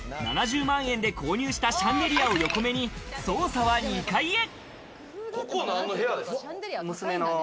７０万円で購入したシャンデリアを横目に捜査は２階へ。